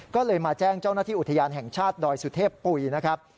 ก็เลยมาแจ้งเจ้าหน้าที่อุทยานแห่งชาติดอยสุเทพปุ๋ยนะครับ